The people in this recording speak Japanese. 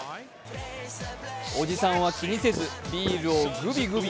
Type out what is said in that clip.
おじさんは気にせず、ビールをグビグビ。